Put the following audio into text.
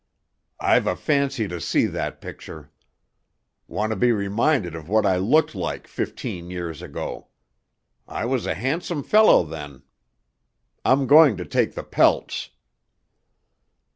"I've a fancy to see that picture. Want to be reminded of what I looked like fifteen years ago. I was a handsome fellow then. I'm going to take the pelts."